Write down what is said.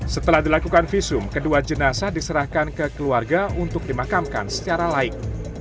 setelah dilakukan visum kedua jenazah diserahkan ke keluarga untuk dimakamkan secara laik